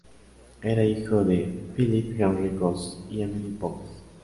Era hijo de Philip Henry Gosse y Emily Bowes.